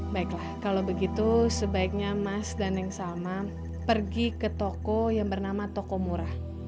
baiklah kalau begitu sebaiknya mas daneng salma pergi ke toko yang bernama toko murah